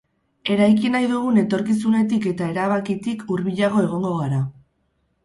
Eraiki nahi dugun etorkizunetik eta erabakitik hurbilago egongo gara.